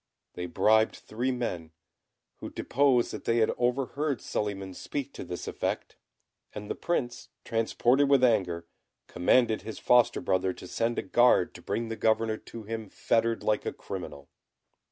They bribed three men, who deposed that they had overheard Suliman speak to this effect; and the Prince, transported with anger, commanded his foster brother to send a guard to bring the governor to him fettered like a criminal.